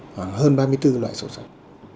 hoặc hơn ba mươi bốn loại sổ sách